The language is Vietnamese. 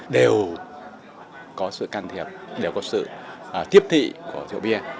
đều có sự can thiệp đều có sự tiếp thị của rượu bia